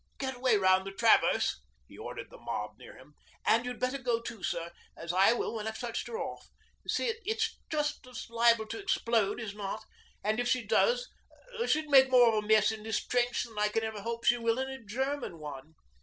'Get away round the traverse!' he ordered the mob near him. 'And you'd better go, too, sir as I will when I've touched her off. Y'see, she's just as liable to explode as not, and, if she does, she'd make more mess in this trench than I can ever hope she will in a German one.'